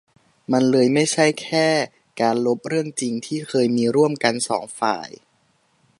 มันเลยไม่ใช่แค่การลบเรื่องจริงที่เคยมีร่วมกันสองฝ่าย